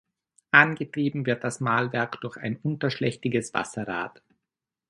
Angetrieben wird das Mahlwerk durch ein unterschlächtiges Wasserrad.